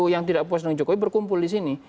yang tidak puas dengan jokowi berkumpul di sini